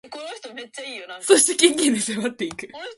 そしてケンケンで追っていく。